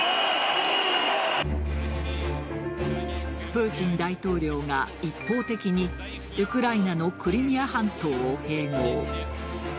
プーチン大統領が一方的にウクライナのクリミア半島を併合。